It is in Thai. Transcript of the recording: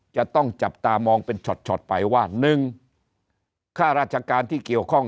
จะต้องจับตามองเป็นช็อตไปว่า๑ข้าราชการที่เกี่ยวข้อง